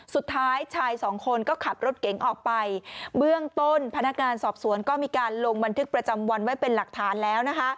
สุดท้ายชายสองคนก็ขับรถเก๋งออกไปเบื้องต้นพนักงานสอบสวนก็มีการลงบันทึกประจำวันไว้เป็นหลักฐานแล้วนะคะ